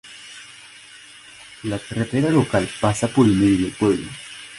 La carretera local pasa por el medio del pueblo.